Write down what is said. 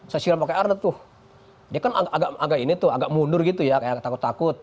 saya sudah pakai arda tuh dia kan agak ini tuh agak mundur gitu ya kayak takut takut